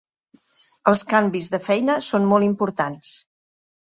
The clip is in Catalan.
Els canvis de feina són molt importants.